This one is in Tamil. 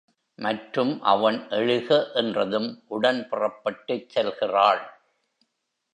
மற்றும் அவன் எழுக என்றதும் உடன் புறப்பட்டுச் செல்கிறாள்.